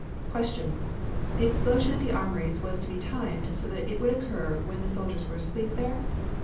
Q. The explosion at the armories was to be timed so that it would occur when the soldiers were asleep there?